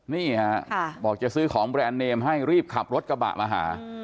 นี่ฮะบอกจะซื้อของแบรนด์เนมให้รีบขับรถกระบะมาหา